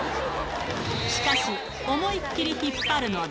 しかし、思いっきり引っ張るので。